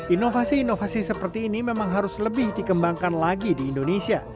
inovasi inovasi seperti ini memang harus lebih dikembangkan lagi di indonesia